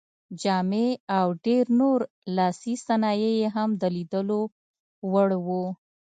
جامې او ډېر نور لاسي صنایع یې هم د لیدلو وړ وو.